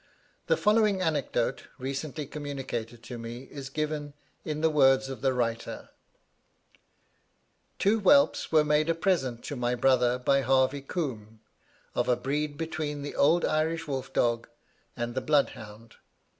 The following anecdote, recently communicated to me, is given in the words of the writer: "Two whelps were made a present to my brother by Harvey Combe, of a breed between the old Irish wolf dog and the blood hound.